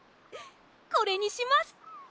これにします！